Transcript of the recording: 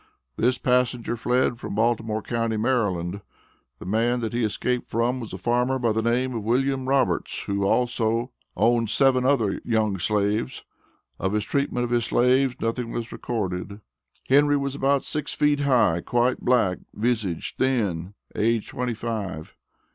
This passenger fled from Baltimore county, Md. The man that he escaped from was a farmer by the name of William Roberts, who also owned seven other young slaves. Of his treatment of his slaves nothing was recorded. Henry was about six feet high, quite black, visage thin, age twenty five.